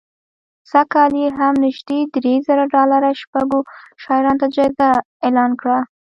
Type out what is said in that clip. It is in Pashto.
سږ کال یې هم نژدې درې زره ډالره شپږو شاعرانو ته جایزه اعلان کړه